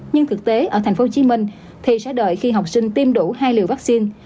nhưng thực tế ở tp hcm thì sẽ đợi khi học sinh tiêm đủ hai liều vaccine